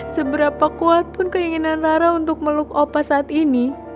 seberapa kuat pun keinginan nara untuk meluk opa saat ini